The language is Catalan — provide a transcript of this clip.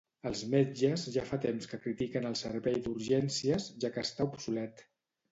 Els metges ja fa temps que critiquen el servei d'urgències, ja que està obsolet.